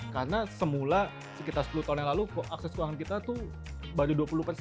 karena semula sekitar sepuluh tahun yang lalu akses keuangan kita tuh baru dua puluh